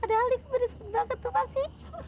padahal dia kepedesan banget tuh pasti